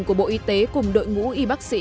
của bộ y tế cùng đội ngũ y bác sĩ